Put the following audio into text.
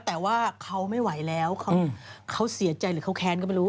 แต่ว่าเขาไม่ไหวแล้วเขาเสียใจหรือเขาแค้นก็ไม่รู้